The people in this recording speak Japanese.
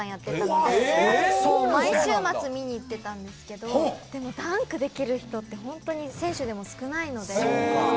もう毎週末、見に行ってたんですけど、でもダンクできる人って、本当に選手でも少ないので。